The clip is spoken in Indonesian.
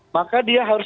maka dia harus